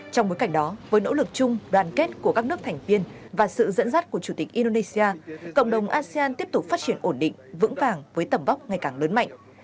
trong bối cảnh đó với nỗ lực chung đoàn kết của các nước thành viên và sự dẫn dắt của chủ tịch indonesia cộng đồng asean tiếp tục phát triển ổn định vững vàng với tầm vóc ngày càng lớn mạnh